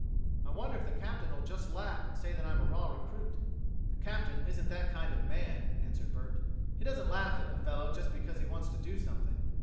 "I wonder if the Captain'll just laugh and say that I'm a raw recruit." "The Captain isn't that kind of man," answered Bert. "He doesn't laugh at a fellow just because he wants to do something.